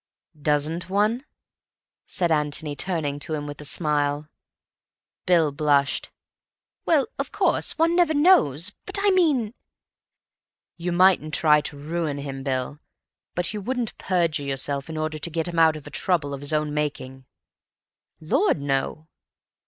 "Doesn't one?" said Antony, turning to him with a smile. Bill blushed. "Well, of course, one never knows, but I mean—" "You mightn't try to ruin him, Bill, but you wouldn't perjure yourself in order to get him out of a trouble of his own making." "Lord! no."